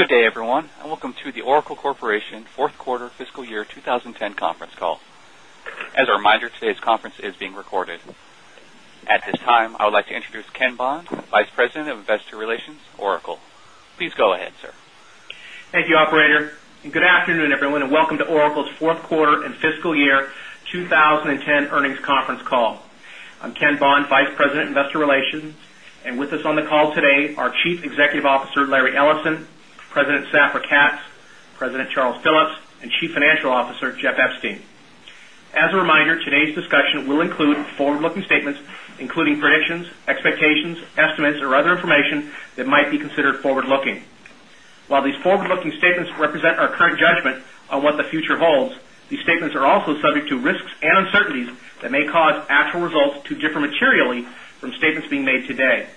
Good day, everyone, and welcome to the Oracle Corporation 4th Quarter Fiscal Year 2010 Conference Call. As a reminder, today's conference is being recorded. At this time, I would like to introduce Ken Bond, Vice President of Investor Relations, Oracle. Please go ahead, sir. Thank you, operator, and good afternoon, everyone, and welcome to Oracle's Q4 fiscal year 2010 earnings conference call. I'm Ken Bond, Vice President, Investor Relations. And with us on the call today are Chief Executive Officer, Larry Ellison President, Safra Katz President, Charles Phillips and Chief Financial Officer, Jeff Epstein. As a reminder, today's discussion will include forward looking statements, including predictions, expectations, estimates or other information that might be considered forward looking. While these forward looking statements represent our current judgment on what the future holds, statements are also subject to risks and uncertainties that may cause actual results to differ materially from statements being made today.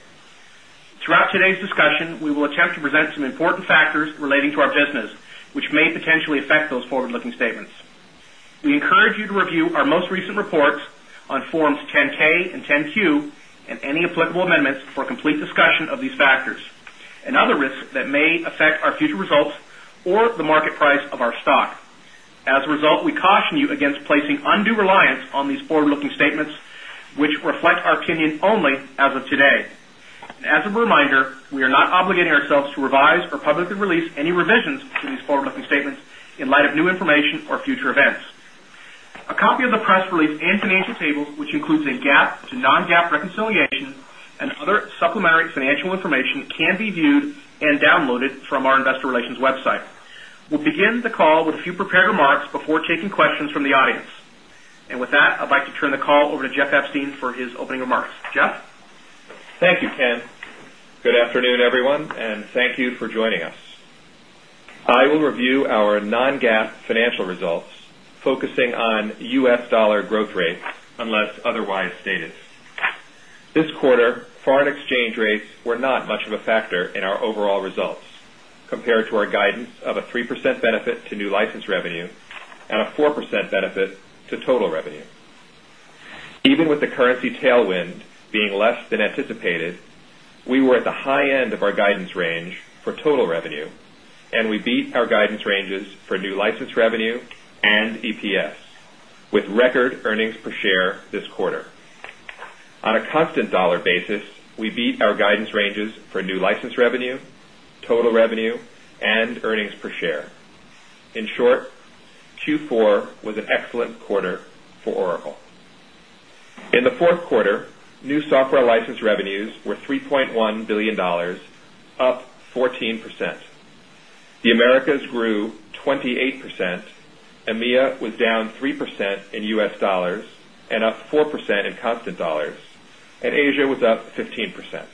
Throughout today's discussion, we will attempt to present some important factors relating to our business, which may potentially affect those forward looking statements. We encourage you to review our most recent reports on Forms 10 ks and 10 Q and any applicable amendments for a complete discussion of these factors and other risks that may affect our future results or the market price of our stock. As a result, we caution you against placing undue reliance on these forward looking statements, which reflect our opinion only as of today. As a reminder, we are not obligating ourselves to revise or publicly release any revisions to these forward looking statements in light of new information or future events. A copy of the press release and financial tables, which includes a GAAP to non GAAP reconciliation and other supplementary financial information can be viewed and downloaded from our Investor Relations website. We'll begin the call with a few prepared remarks before taking questions from the audience. And with that, I'd like to turn the call over to Jeff Epstein for his opening remarks. Jeff? Thank you, Ken. Good afternoon everyone and thank you for joining us. I will review our non GAAP financial results focusing on U. S. Dollar growth rates unless otherwise stated. This quarter, foreign exchange rates were not much of a factor in our overall results compared to our guidance of a 3% benefit to new license revenue and a 4% benefit to total revenue. Even with the currency tailwind being less than anticipated, we were at the high end of our guidance range for total revenue and we beat our guidance ranges for new license revenue and EPS with record earnings per share this quarter. On a constant dollar basis, we beat our guidance ranges for new license revenue, total revenue and earnings per share. In short, Q4 was an excellent quarter for Oracle. In the 4th quarter, new software license revenues were 3,100,000,000 dollars up 14%. The Americas grew 28%, EMEA was down 3% in U. S. Dollars and up 4% in constant dollars and Asia was up 15%.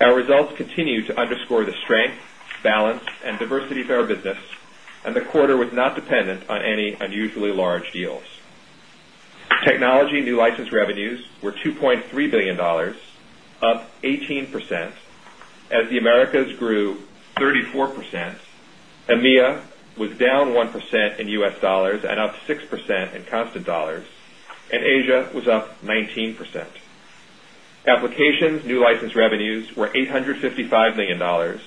Our results continue to underscore the strength, balance and diversity of our business and the quarter was not dependent on any unusually large deals. License revenues were $2,300,000,000 up 18% as the Americas grew 34%. EMEA was down 1% in U. S. Dollars and up 6% in constant dollars and Asia was up 19%. Applications new license revenues were $855,000,000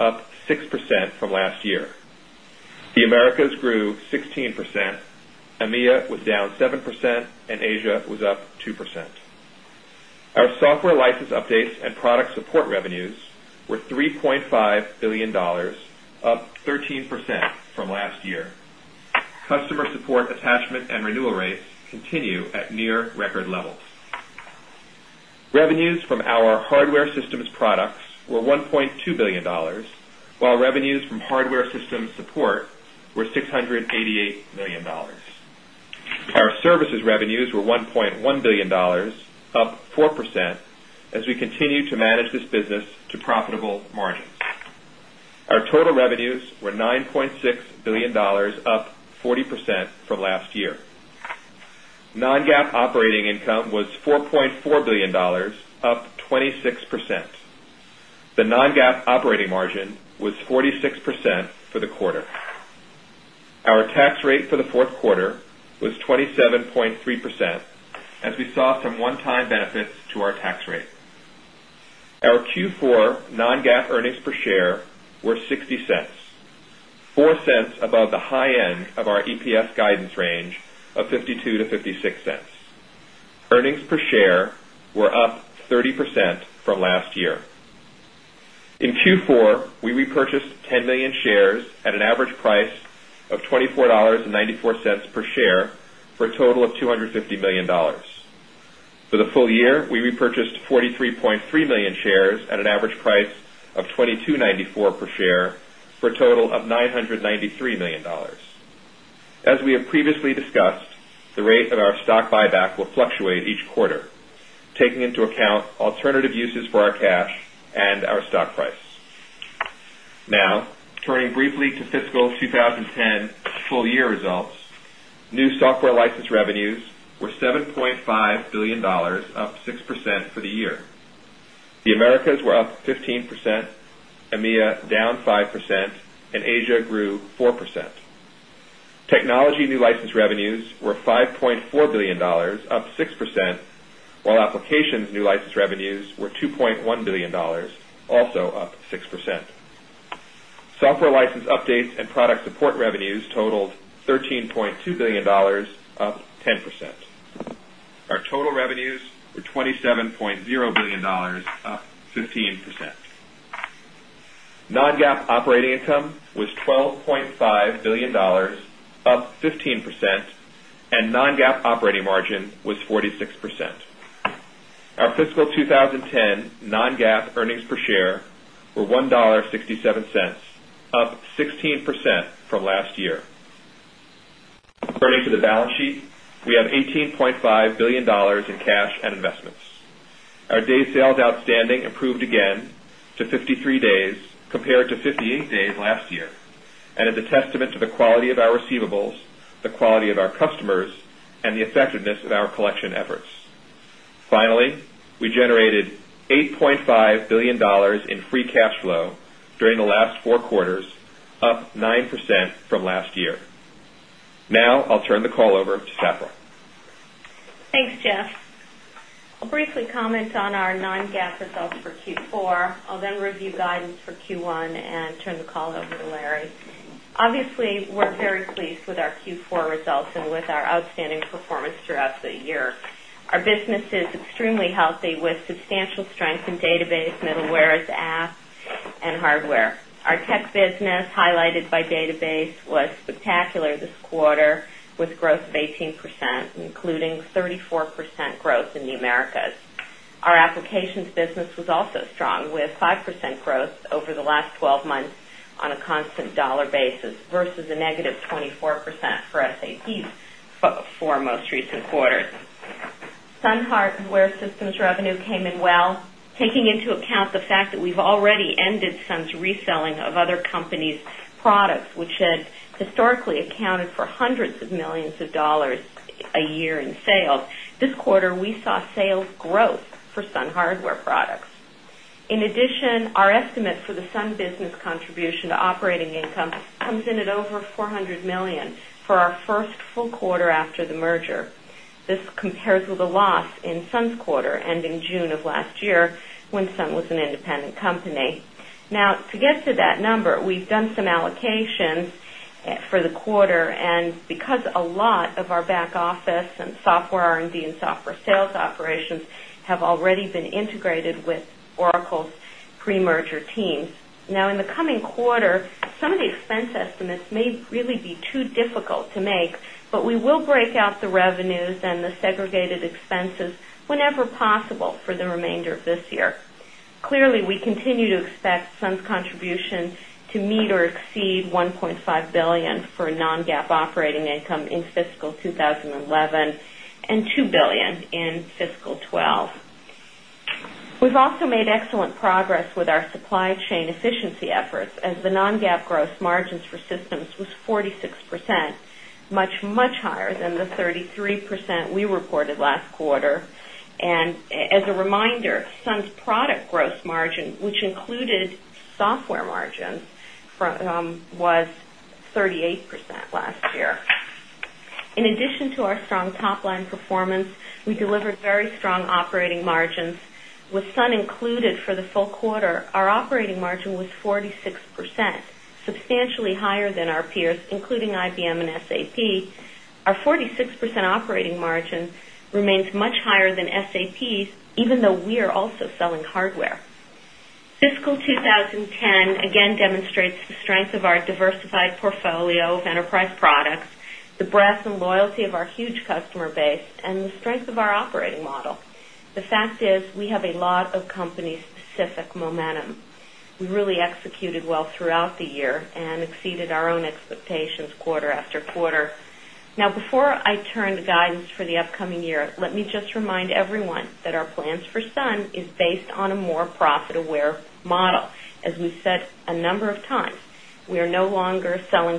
up 6% from last year. The Americas grew 16%, EMEA was down 7% and Asia was up 2%. Our software license updates and product support revenues were $3,500,000,000 up 13% from last year. Customer support attachment renewal rates continue at near record levels. Revenues from our hardware systems products were $1,200,000,000 while revenues from hardware systems support were $688,000,000 Our services revenues were $1,100,000,000 up 4% as we continue to manage this business to profitable margins. Our total revenues were $9,600,000,000 up 40% from last year. Non GAAP operating income was $4,400,000,000 up 26%. The non GAAP operating margin was 46% for the quarter. Our tax rate for the 4th quarter was 7.3% as we saw some one time benefits to our tax rate. Our Q4 non GAAP earnings per share were $0.60 $0.04 above the high end of our EPS guidance range of $0.52 to $0.56 Earnings per share were up 30% from last year. In Q4, we repurchased 10,000,000 shares at an average price of $24.94 per share for a total of $250,000,000 For the full year, we repurchased 43,300,000 shares at an average price of $22.94 per share for a total of $993,000,000 As we have previously discussed, the rate of our stock buyback will fluctuate each quarter, taking into account alternative uses for our cash and our stock price. Now, turning briefly to fiscal 20 10 full year results, new software license revenues were 7,500,000,000 up 6% for the year. The Americas were up 15%, EMEA down 5% and Asia grew 4%. Technology new license revenues were $5,400,000,000 up 6%, while applications new license revenues were $2,100,000,000 also up 6%. Software license updates and product support revenues totaled $13,200,000,000 up 10%. Our total revenues were $27,000,000,000 up 15%. Non GAAP operating income was 12 point 5 $5,000,000,000 up 15% and non GAAP operating margin was 46%. Fiscal 20 10 non GAAP earnings per share were $1.67 up 16% from last year. Turning to the balance sheet, we have $18,500,000,000 in cash and investments. Our days sales outstanding improved again to 53 days compared to 58 days last year and is a testament to the quality of our receivables, the quality of our customers and the effectiveness of our collection efforts. Finally, we generated $8,500,000,000 in free cash flow during the last four quarters, up 9% from last year. Now, I'll turn the call over to Saffron. Thanks, Jeff. I'll briefly comment on our non GAAP results for Q4. I'll then review guidance for Q1 and turn the call over to Larry. Obviously, we're very pleased with our Q4 results and with our outstanding performance throughout the year. Our business is extremely healthy with substantial strength in with growth of 18%, including 34% growth in the Americas. Our applications business was also strong with 5% growth over the last 12 months on a constant dollar basis versus a negative 24% for SAPs for most recent quarters. Sun Heart Aware Systems revenue came in well, taking into account the fact that we've already ended Sun's reselling of other companies' products, which had historically accounted for 100 of 1,000,000 of dollars a year in sales, this quarter we saw sales growth for Sun Hardware Products. In addition, our estimate for the Sun business contribution to operating income comes in at over 400,000,000 dollars for our 1st full quarter after the merger. This compares with a loss in SUNS quarter ending June of last year when SUNS was an independent company. Now to get to that number, we've done some allocations for the quarter and because a lot of our back office and software R and D and software sales operations have already been integrated with Oracle's pre merger teams. Now in the coming quarter, some of the expense estimates may really be too difficult to make, but we will break out the revenues and the segregated expenses whenever possible for the remainder of this year. Clearly, we continue to expect SUNS contribution to meet or exceed $1,500,000,000 for non GAAP operating income in fiscal 20 11 $2,000,000,000 in fiscal 2012. We've also made excellent progress with our supply chain efficiency efforts as the non GAAP gross margins for systems was 46%, much, much higher than the 33% we reported last quarter. And as a reminder, SUNS product gross margin, which included software margins was 38% last year. In addition to our strong top line performance, we delivered very strong operating margins. With Sun included for the full quarter, our operating margin was 46%, substantially higher than our peers, including IBM and SAP. Our 46% operating margin remains much higher than SAP's even though we are also selling hardware. Fiscal 2010 again demonstrates the strength of our diversified portfolio of enterprise products, the breadth and loyalty of our huge customer base and the strength of our operating model. The fact is we have a lot of company specific momentum. We really executed well throughout the year and exceeded our own expectations quarter after quarter. Now before I turn to guidance for the upcoming year, let me just remind everyone that our plans for Sun is based on a more profit aware model. As we said a number of times, we are no longer selling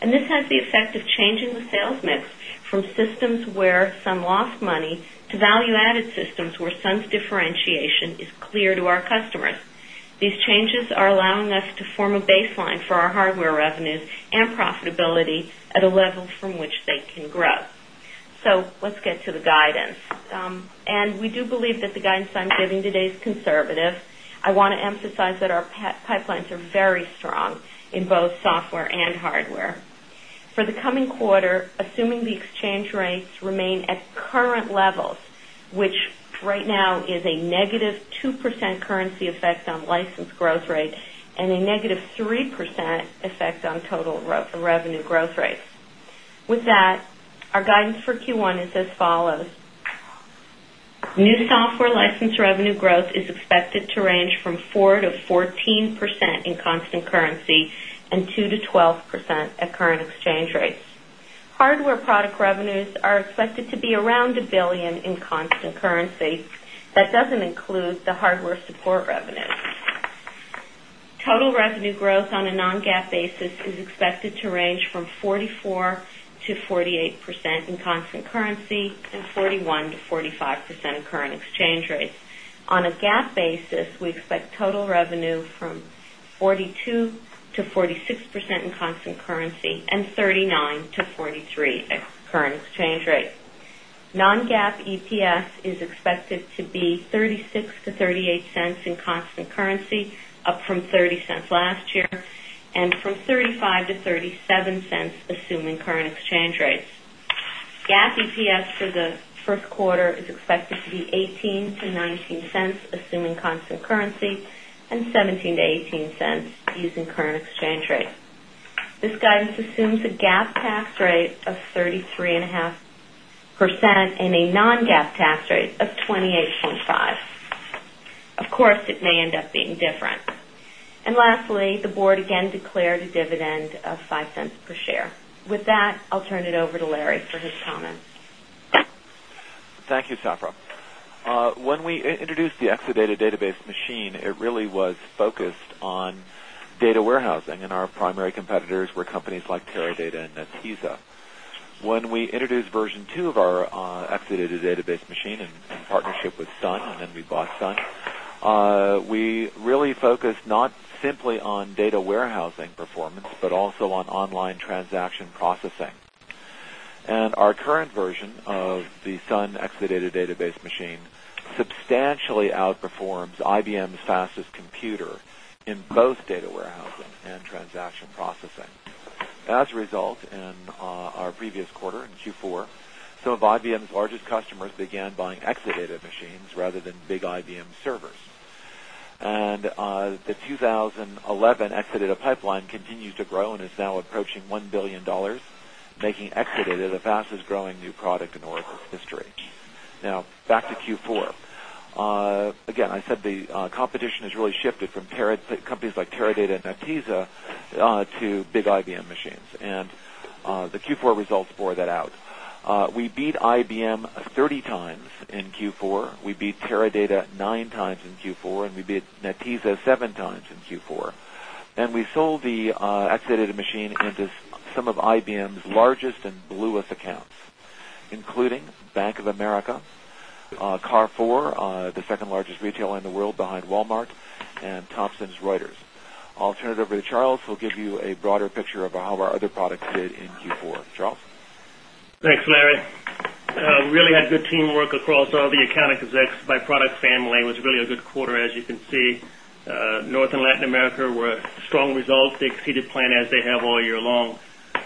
the effect of changing the sales mix from systems where some lost money to value added systems where SUNS differentiation is clear to our customers. These changes are allowing us to form a baseline for our hardware revenues and profitability at a level from which they can grow. So let's get to the guidance. And we do believe that the guidance I'm giving today is conservative. I want to emphasize that our pipelines are very strong in both software and hardware. For the coming quarter, assuming the and a negative 3% effect on total revenue growth rates. With that, our guidance for Q1 is as follows. New software license revenue growth is expected to range from 4% to 14% in constant currency and 2% to 12% at at doesn't include the hardware support revenues. Total revenue growth on a non GAAP basis is expected to range from 44% to 48% in constant currency and 41% to 45% in current exchange rates. On a GAAP basis, we expect total revenue from 42% to 46% in constant currency and 39% to 43% at current exchange rate. Non GAAP EPS is expected to be $0.36 to $0.38 in constant currency, up from $0.30 last year and from $0.35 to $0.37 assuming current exchange rates. GAAP EPS for the Q1 is expected to be $0.18 to $0.19 assuming constant currency and $0.17 to $0.18 using current exchange rate. This guidance assumes a GAAP tax rate of 33.5 percent and a non GAAP tax rate of 28.5 Of course, it may end up being different. And lastly, the Board again declared a dividend of $0.05 per share. With that, I'll turn it over to Larry for his comments. Thank you, Safra. When we introduced the Exadata database machine, it really was focused on data warehousing and our primary competitors were companies like Teradata and Netezza. When we introduced version 2 of our Exadata database machine in partnership with Sun and then we bought Sun, we really focused not simply on data warehousing performance, but also on online transaction processing. And our current version of the Sun Exadata Database machine substantially outperforms IBM's fastest computer in both data warehouses and transaction processing. As a result, in our previous quarter in Q4, some of IBM's largest customers began buying Exadata machines rather than big IBM servers. And the 2011 Exadata pipeline continues to grow and is now approaching $1,000,000,000 making Exadata the fastest growing new product in Oracle's history. Now back to Q4. Again, I said the competition has really shifted from companies like Teradata and Nattiza to big IBM machines. And the Q4 results bore that out. We beat IBM 30 times in Q4, we beat Teradata 9 times in Q4 and we beat Netezza 7 times in Q4. And we sold the Exadata machine into some of IBM's largest and bluest accounts, including Bank of America, Car4, the 2nd largest retailer in the world behind Walmart and Thomson Reuters. I'll turn it over to Charles who'll give you a broader picture of how our other products did in Q4. Charles? Thanks, Larry. Really had good teamwork across all the account execs byproduct family. It was really a good quarter as you can see. North and Latin America were strong results. They exceeded plan as they they have all year long.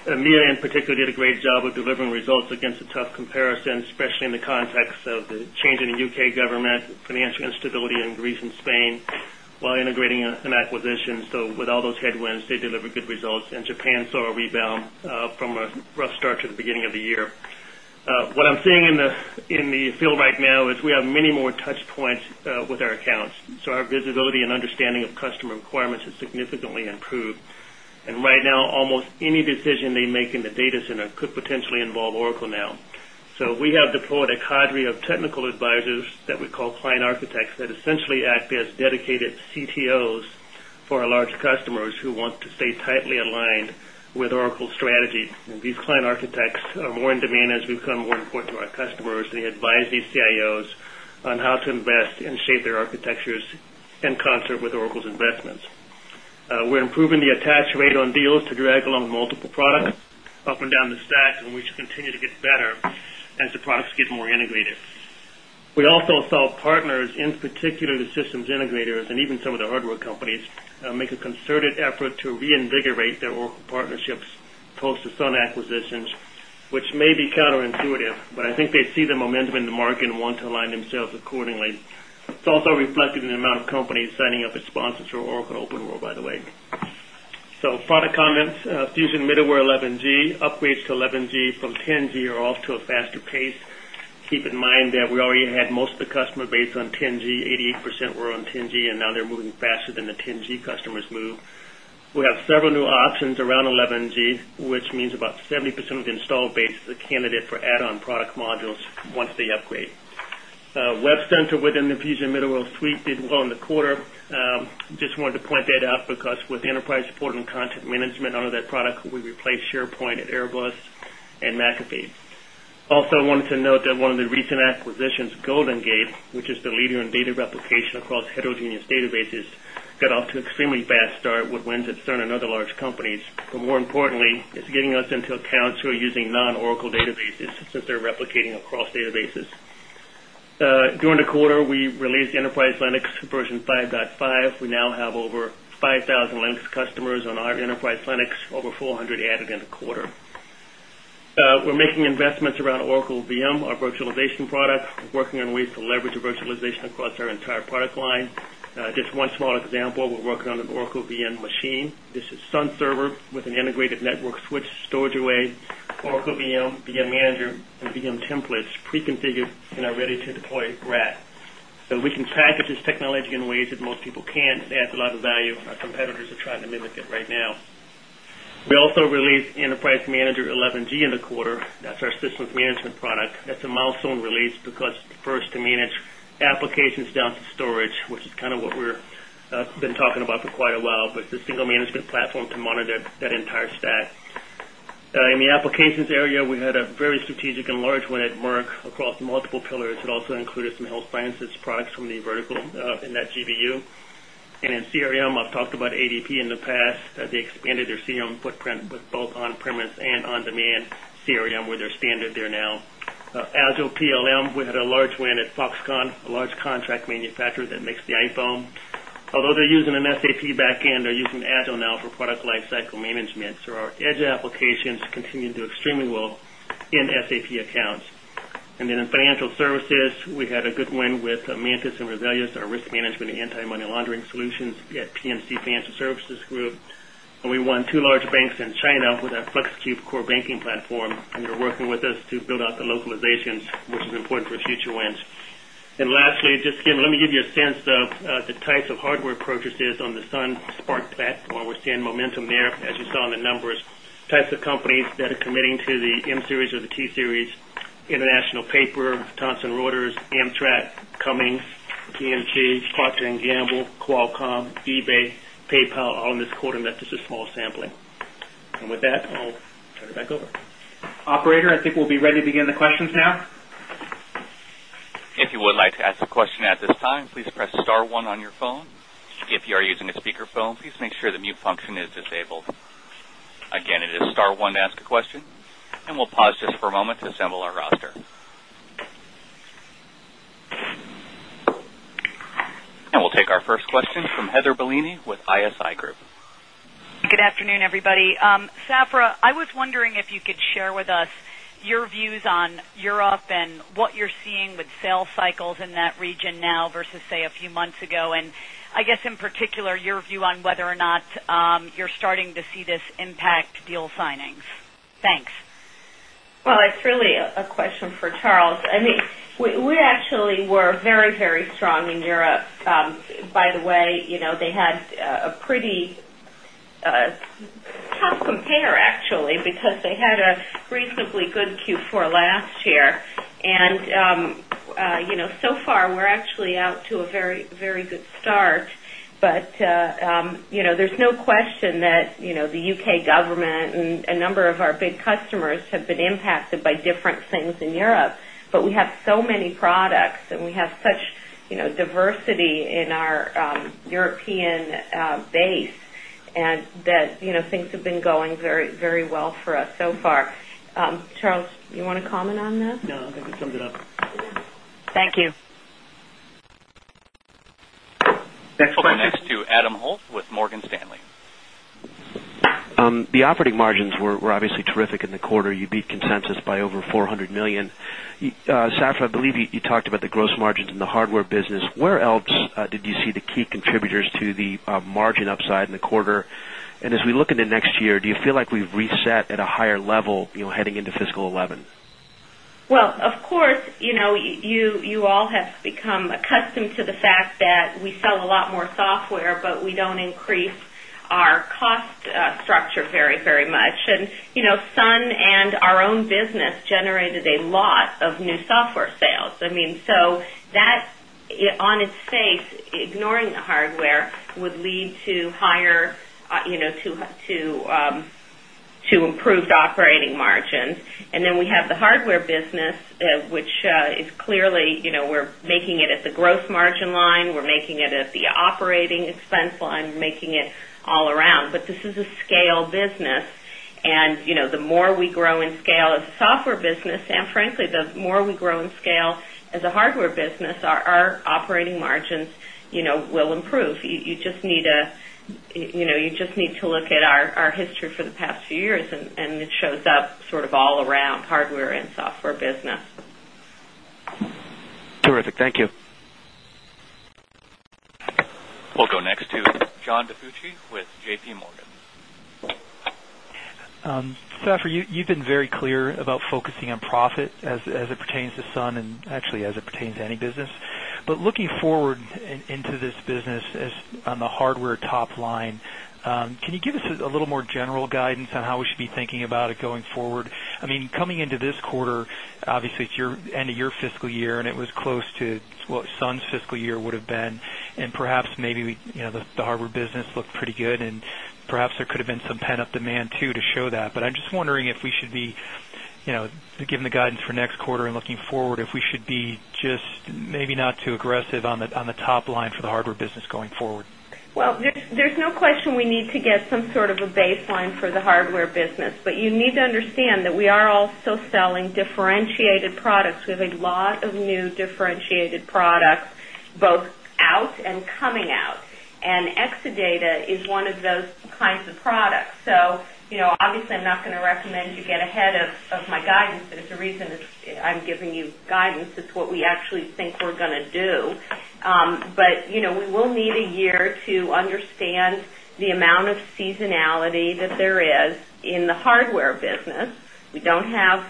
EMEA in particular did a great job of delivering results against a tough comparison, especially in the context of the change in the UK government, financial Spain, while integrating an acquisition. So with all those headwinds, they delivered good results and Japan saw a rebound from a rough to the beginning of the year. What I'm seeing in the field right now is we have many more touch points with our accounts. So our visibility and understanding of customer requirements has significantly improved. And right now, almost any decision they make in the data center could potentially involve Oracle now. So we have deployed a cadre of technical advisors that we call client architects that essentially act as dedicated CTOs our large customers who want to stay tightly aligned with Oracle strategy. And these client architects are more in demand as we become important to our customers and they advise these CIOs on how to invest and shape their architectures in concert with Oracle's investments. We're improving the attach rate on deals to drag along multiple products up and down the stack and we should continue to get better as the products get more integrated. We also saw partners in particular the systems integrators and even some of the hardware companies make a concerted effort to reinvigorate their partnerships post the Sun acquisitions, which may be counterintuitive, but I think they see the momentum in the market and want to align themselves accordingly. It's also reflected in the amount of companies signing up as sponsors for Oracle OpenWorld by the way. So product comments, Fusion Middleware 11 gs, gs, upgrades to 11 gs from 10 gs are off to a faster pace. Keep in mind that we already had most of the customer base on 10 gs, 88% were on 10 gs and now they're moving faster than the 10 gs customers move. We have several new options around 11 gs, which means about 70% of the installed base is a candidate for add on product modules once they upgrade. WebCenter within the Fusion Middle World Suite did well in the quarter. Just wanted to point that out because with enterprise support and content management under that product we replaced SharePoint at Airbus and McAfee. Also wanted to note that one of the recent acquisitions Golden Gate, which is the leader in data replication across heterogeneous databases got off to extremely bad start with wins at CERN and other large companies. But more importantly, it's getting us into accounts who are using non Oracle databases since they're replicating across databases. During the quarter, we released Enterprise Linux version 5.5. We now have over 5,000 Linux customers on our Enterprise Linux, over 400 added in the quarter. We're making investments around Oracle VM, our virtualization product, working on ways to leverage virtualization across our entire product line. Just one small example, we're working on an Oracle VM machine. This is SunServer with an integrated network switch storage away, Oracle VM, VM Manager VM templates preconfigured and are ready to deploy GRAT. So we can package this technology in ways that most people can't add a lot of value and our competitors are trying to mimic it right now. We also released Enterprise Manager 11 gs in the quarter. That's our systems management product. That's a milestone release because first to manage applications down to storage, which is kind of what we're been talking about for quite a while, but the single management platform to monitor that entire stack. In the applications area, we had a very strategic and large win at Merck across multiple pillars. It also included health sciences products from the vertical in that GBU. And in CRM, I've talked about ADP in the past as they expanded their CRM footprint with both on premise and on demand CRM where their standard there now. Agile PLM, we had a large win at Foxconn, a large contract manufacturer that makes the iPhone. Although they're using an SAP back end, they're using Agile now for product lifecycle management. So our edge applications continue to do extremely well in SAP accounts. And then in Financial Services, we had a good win with Mantis and management and anti money laundering solutions at P&C Financial Services Group. And we won 2 large banks in China with a FlexCube core banking platform and they're working with us to build out the localizations, which is important for future wins. And lastly, just give let me give you a sense of the types of hardware purchases on the Sun, Spark that we're seeing momentum there as you saw in the numbers types of companies that are committing to the M Series or the T Series, International Paper, Thomson Reuters, Amtrak, Cummins, GMG, Carter and Gamble, Qualcomm, eBay, PayPal on this quarter and that's just a small sampling. And with that, I'll turn it back over. Operator, I think we'll be ready to begin the questions now. And we'll take our first question from Heather Bellini with ISI Group. Good afternoon, everybody. Safra, I was wondering if you could share with us your views on Europe and what you're seeing with sales cycles in that region now versus say a few months ago? And I guess in particular your view on whether or not you're starting to see this impact deal signings? Thanks. Well, it's really a question for Charles. I mean, we actually were very, very strong in Europe. By the way, they had a pretty tough compare actually because they had a reasonably good Q4 last year. And so far, we're actually out to a very good start. But there's no question that the U. K. Government and a number of our big customers have been impacted by different things in Europe. But we have so many products and we have such diversity in our European base and that things have been going very well for us so far. Charles, you want to comment on that? No, I think we summed it up. Thank you. Next question. We'll go next to Adam Holt with Morgan Stanley. The operating margins were obviously terrific in the quarter. You beat consensus by over $400,000,000 Safra, I believe you talked about the gross margins in the hardware business. Where else did you see the key contributors to the margin upside in the quarter? And as we look into next year, do you feel like we've reset at a higher level heading into fiscal 2011? Well, of course, you all have become accustomed to the fact that we sell a lot more software, but we don't increase our cost structure very, very much. And Sun and our own business generated a lot of new software sales. I mean, so that on its face ignoring the hardware would lead to higher to improved operating margins. And then we have the hardware business, which is clearly we're making it at the gross margin line, we're making it at the operating expense line, making it all around. But this is a scale business. And the more we grow in scale as a software business and frankly, the more we grow in scale as a hardware business, our operating margins will improve. You just need to look at our history for the past few years and it shows up sort of all around hardware and software business. Terrific. Thank you. We'll go next to John DiFucci with JPMorgan. Saffir, you've been very clear about focusing on profit as it pertains to Sun and actually as it pertains to any business. But looking forward into this business as on the hardware top line, can you give us a little more general guidance on how we should be thinking about it going forward? I mean coming into this quarter, obviously, it's your end of your fiscal year and it was close to what Sun's fiscal year would have been and perhaps maybe the hardware business looked pretty good and perhaps there could have been some pent up demand too to show that. But I'm just wondering if we should be given the guidance for next quarter and looking forward, if we should be just maybe not too aggressive on the top line for the hardware business going forward? Well, there's no question we need to get some sort of a baseline for the hardware business, but you need to understand that we are also selling differentiated products. We have a lot of new differentiated products, both out and coming out. And Exadata is one of those kinds of products. So, obviously, I'm not going to recommend you get ahead of my guidance, but it's the reason I'm giving you guidance. It's what we actually think we're going to do. But we will need a year to understand the amount of seasonality that there is in the hardware business. We don't have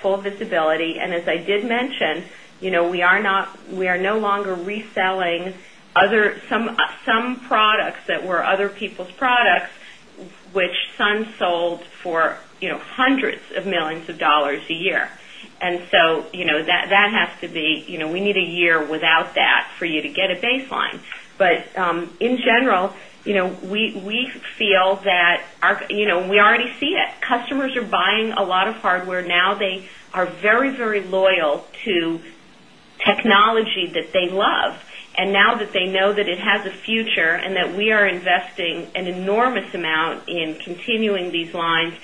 full visibility. And as I did mention, we are not we are no longer reselling other some products that were other people's products, which SUN sold for 100 of 1,000,000 of dollars a year. And so that has to be we need a year without that for you to get a baseline. But in general, we feel that we already see it. Customers are buying a lot of hardware. Now they are very, very loyal to technology that they love. And now that they know that it has a future and that we are investing an enormous amount in continuing these lines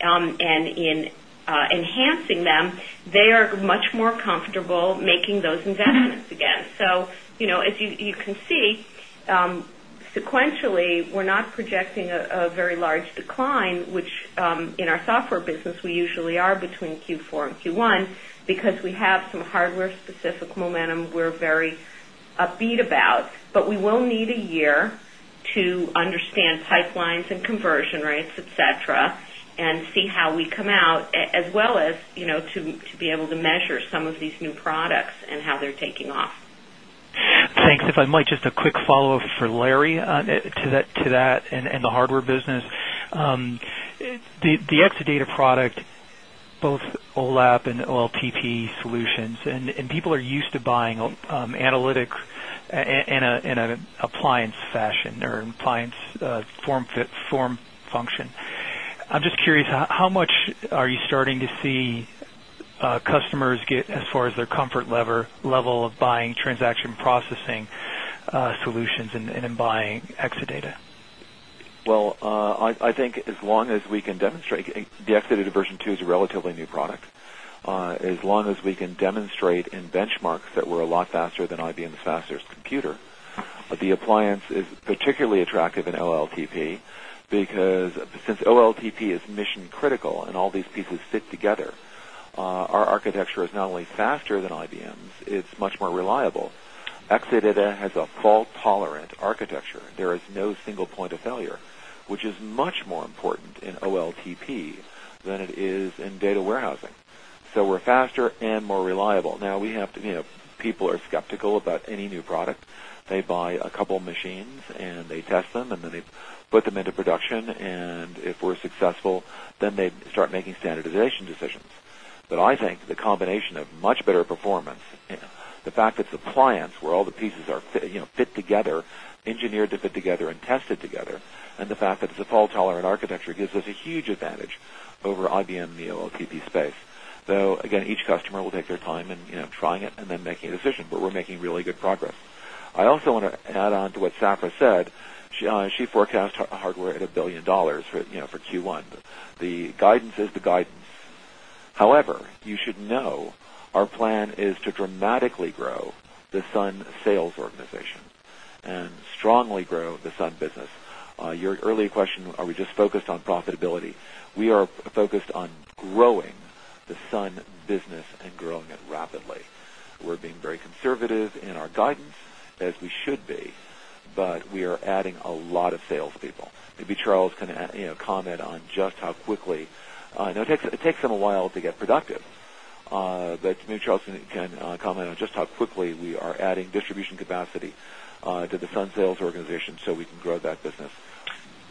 and in enhancing them, they are much more comfortable making those investments again. So as you can see, sequentially, we're not projecting a very large decline, which in our software business, we usually are between Q4 and Q1, because we have some hardware specific momentum we're very upbeat about. But we will need a year to understand pipelines and conversion rates, etcetera, and see how we come out as well as to be able to measure some of these new products and how they're taking off. Thanks. If I might, just a quick follow-up for Larry to that and the hardware business. The Exadata product, both OLAP and OLTP solutions and people are used to buying analytics in an appliance form function. I'm just curious how much are you starting to see customers get as far as their comfort level of buying transaction processing solutions and in buying Exadata? Well, I think as long as we can demonstrate the Exadata Version 2 is a relatively new product. As long as we can demonstrate in benchmarks that we're a lot faster than IBM's fastest computer, the fastest computer. The appliance is particularly attractive in OLTP because since OLTP is mission critical and all these pieces fit together, our architecture is not only faster than IBM's, it's much more reliable. Exadata has a fault tolerant architecture. There is no single point of failure, which is much more important in OLTP than it is in data warehousing. So, we're faster and more reliable. Now, we have to, you know, people are skeptical about any new product. They buy a couple of machines and they test them and then they put them into production and if we're successful, then they start making standardization decisions. But I think the combination of much better performance, the fact that it's appliance where all the pieces are fit together, engineered to fit together and tested together, and the fact that it's a fault tolerant architecture gives us a huge advantage over IBM, the OLTP space. So again, each customer will take their time in trying it and then making a decision, but we're making really good progress. I also want to add on to what Safra said, She forecast hardware at $1,000,000,000 for Q1. The guidance is the guidance. However, you should know our plan is to dramatically grow the Sun sales organization and strongly grow the Sun business. Your earlier question, are we just focused on profitability? We are focused on growing the Sun business and growing it rapidly. We're being very conservative in our guidance as we should be, but we are adding a lot of salespeople. Maybe Charles can comment on just how quickly, it takes them a while to get productive, but maybe Charles can comment on just how quickly we are adding distribution capacity to the Sun sales organization, so we can grow that business.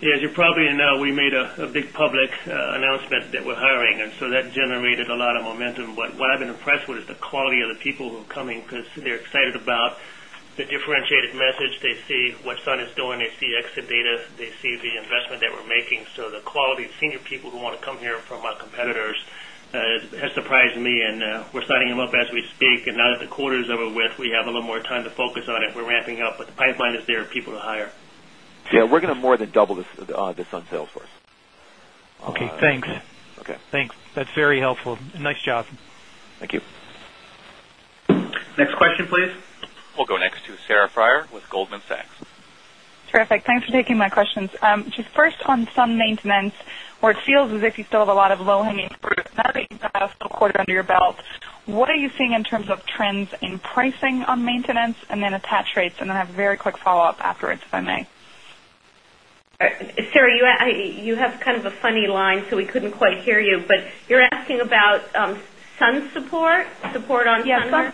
As you probably know, we made a big public announcement that we're hiring and so that generated a lot of momentum. But what I've been impressed with is the quality of the people who are coming because they're excited about the differentiated message. They see what Sun is doing. They see exit data. They see the investment that we're making. So the quality of senior people who want to come here from our competitors has surprised me and we're signing them up as we speak and now that the quarters over with we have a little more time to focus it, we're ramping up but the pipeline is there, people to hire. Yes, we're going to more than double this on sales force. Okay, thanks. That's very helpful. Nice job. Thank you. Next question please. We'll go next to Sarah Friar with Goldman Sachs. Terrific. Thanks for taking my questions. Just first on some maintenance, where it feels as if you still have a lot of low hanging fruit, now that you've got a quarter under your belt. What are you seeing in terms of trends in pricing on maintenance and then attach rates? And then I have a very quick follow-up afterwards if I may. Sarah, you have kind of a funny line, so we couldn't quite hear you. But you're asking about sun support, support on sun?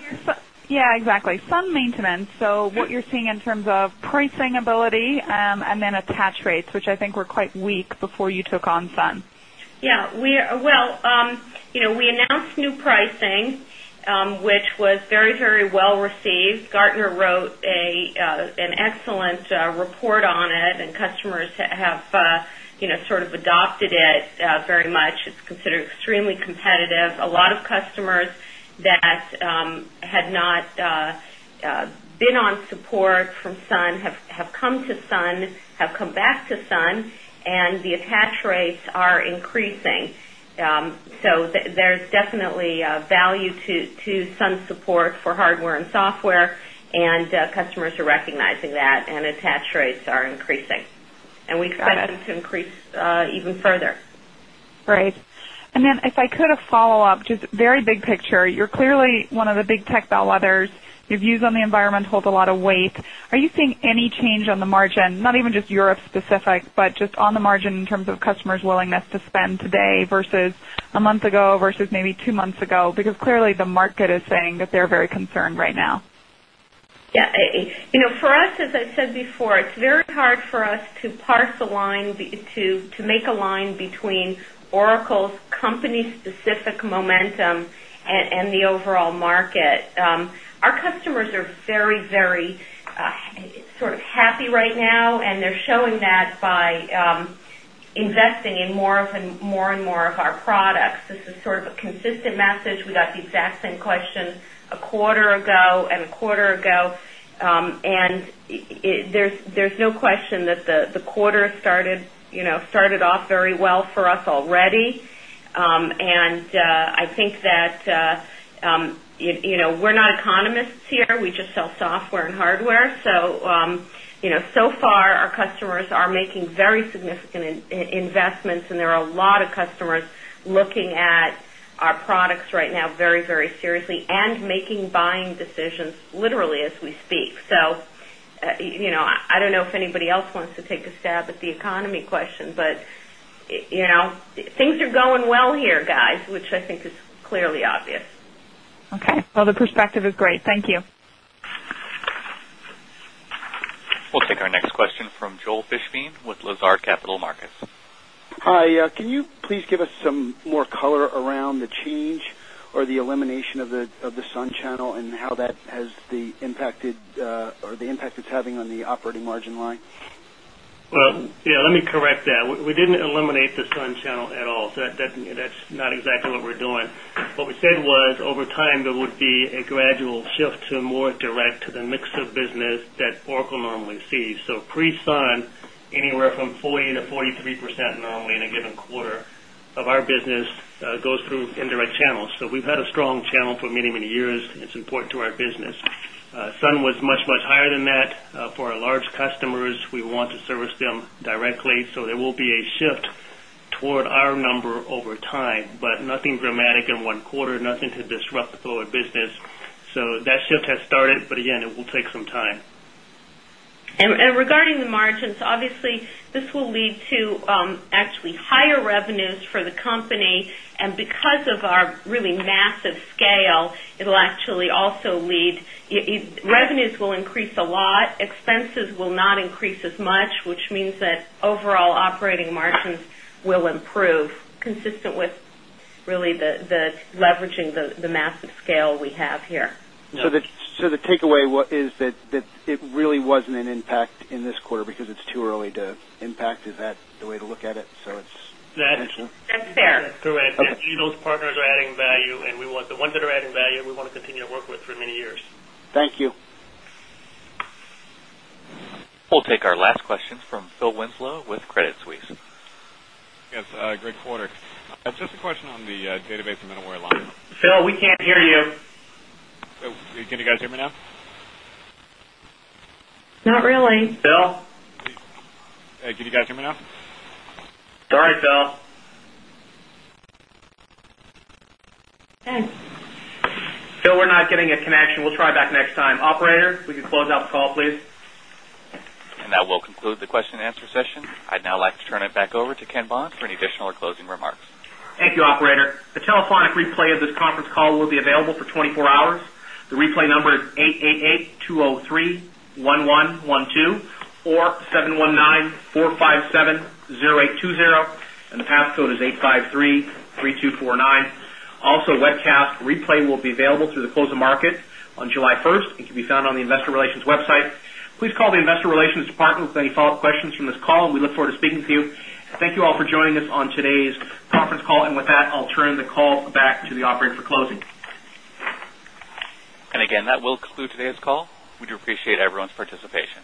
Yes, exactly. Sun maintenance, so what you're seeing in terms of pricing ability and then attach rates, which I think were quite weak before you took on Sun? Yes. We are well, we announced new pricing, which was very, very well received. Gartner wrote an excellent report on it and customers have sort of been on support from Sun have come to Sun. It's been on support from Sun have come to Sun, have come back to Sun and the attach rates are increasing. So there's definitely value to Sun support for hardware and software and customers are recognizing that and attach rates are increasing. And we expect it to increase even further. Right. And then if I could a follow-up, just very big picture, you're clearly one of the big tech bellwethers, your views on the environment holds a lot of weight. Are you seeing any change on the margin, not even just Europe specific, but just on the margin in terms of customers' willingness to spend today versus a month ago versus maybe 2 months ago, because clearly the market is saying that they're very concerned right now? Yes. For us, as I said before, it's very hard for us to parse the line to make a line between Oracle's company specific momentum and the overall market. Our customers are very, very sort of happy right now and they're showing that by investing in more and more of our products. This is sort of a consistent message. We got the exact same question a quarter ago and a quarter ago. And there's no question that the quarter started off very well for us already. And I think that we're not economists here. We just sell software and hardware. So far our customers are making very significant investments and there are a lot of customers looking at our products right now very, very seriously and making buying decisions literally as we speak. So I don't know if anybody else wants to take a stab at the economy question, but things are going well here guys, which I think is clearly obvious. Okay. Well, the perspective is great. Thank you. We'll take our next question from Joel Fishbein with Lazard Capital Markets. Hi. Can you please give us some more color around the change or the elimination of the Sun channel and how that has the impacted or the impact it's having on the operating margin line? Well, yes, let me correct that. We didn't eliminate the Sun channel at all. So that's not exactly what we're doing. What we said was over time there would be a gradual shift to more direct to the mix of business that Oracle normally sees. So pre SUN anywhere from 40% to 43% normally in a given quarter of our business goes through indirect them directly. So there will be a shift toward our number over time, but nothing dramatic in 1 quarter, nothing to disrupt the business. So that shift has started, but again, it will take some time. And regarding the margins, obviously, this will lead actually higher revenues for the company. And because of our really massive scale, it will actually also lead revenues will increase a lot, expenses will not increase as much, which means that overall operating margins will improve consistent with really the leveraging the massive scale we have here. So the takeaway is that it really wasn't an impact in this quarter because it's too early to impact. Is that the way to look at it? So it's That's fair. Those partners are adding value and we want the ones that are adding value, we want to continue to work with for many years. Thank you. We'll take our last question from Phil Winslow with Credit Suisse. Yes, great quarter. Just a question on the database and unaware line. Phil, we can't hear you. Can you guys hear me now? Not really. Phil? Hey, can you guys hear me now? Phil? Phil, we're not getting a connection. We'll try back next time. And that will conclude the question and answer session. I'd now like to turn it back over to Ken Bond for any additional or closing remarks. Thank you, operator. A telephonic replay of this conference call will be available for 24 hours. The replay number is 888-203 1112 or 719-457-0820 and the passcode is 85 33,249. Also webcast replay will be available through the close of market on July 1 and can be found on the Investor Relations website. Please call the Investor Relations department with any follow-up questions from this call and we look forward to speaking to you. Thank you all for joining us on today's conference call. And with that, I'll turn the call back to the operator for closing. And again, that will conclude today's call. We do appreciate everyone's participation.